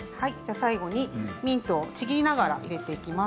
最後にミントをちぎりながら入れていきます。